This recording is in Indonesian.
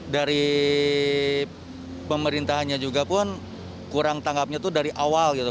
dari pemerintahnya juga pun kurang tanggapnya itu dari awal gitu